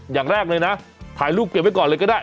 อย่างแรกเลยนะถ่ายรูปเก็บไว้ก่อนเลยก็ได้